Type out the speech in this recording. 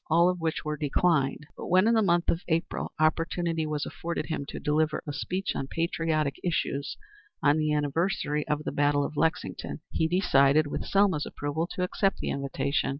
All of these were declined, but when, in the month of April, opportunity was afforded him to deliver a speech on patriotic issues on the anniversary of the battle of Lexington, he decided, with Selma's approval, to accept the invitation.